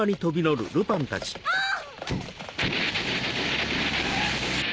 あっ！